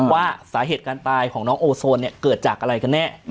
ว่าสาเหตุการณ์ตายของน้องโอโซนเกิดจากอะไรกันแน่